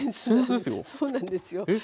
そうなんですよ。